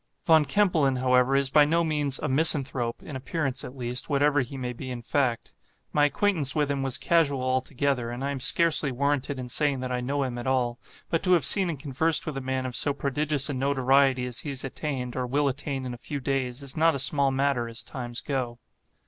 Von Kempelen, however, is by no means 'a misanthrope,' in appearance, at least, whatever he may be in fact. My acquaintance with him was casual altogether; and I am scarcely warranted in saying that I know him at all; but to have seen and conversed with a man of so prodigious a notoriety as he has attained, or will attain in a few days, is not a small matter, as times go.